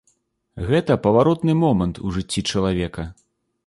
Гэта паваротны момант у жыцці чалавека.